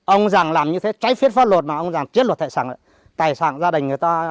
ông giàng làm như thế cháy phiết phá luật mà ông giàng chết luật tài sản gia đình người ta